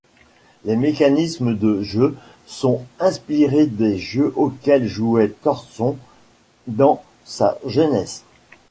Les mécaniques de jeu sont inspirées des jeux auxquels jouait Thorson dans sa jeunesse.